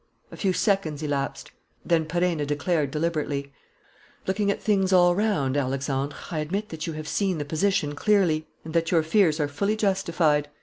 A few seconds elapsed. Then Perenna declared, deliberately: "Looking at things all round, Alexandre, I admit that you have seen the position clearly and that your fears are fully justified.